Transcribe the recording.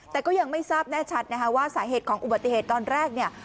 แต่ก็ยังไม่ทราบแน่ชัดนะคะว่าสาเหตุของอุบัติเหตุตอนแรกเนี่ย